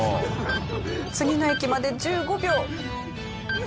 次の駅まで１５秒。